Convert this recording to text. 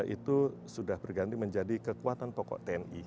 itu sudah berganti menjadi kekuatan pokok tni